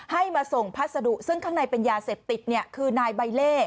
ให้มาส่งพัสดุซึ่งข้างในเป็นยาเสพติดคือนายใบเล่